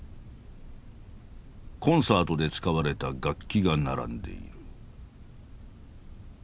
コンサートで使われた楽器が並んでいる。